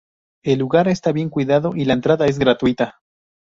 El lugar está bien cuidado y la entrada es gratuita.